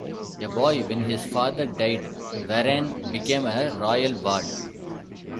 A boy when his father died, Warenne became a royal ward.